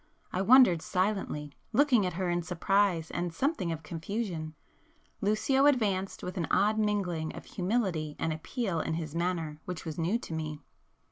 I wondered silently, looking at her in surprise and something of confusion,—Lucio advanced with an odd mingling of humility and appeal in his manner which was new to me.